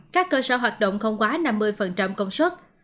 các cơ sở hoạt động không quá năm mươi công suất